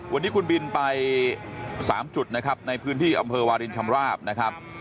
วันนี้คุณบินไป๓จุดนะครับในพื้นที่อำเภอวาลินชำราบนะครับ